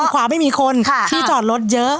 ขวาไม่มีคนที่จอดรถเยอะ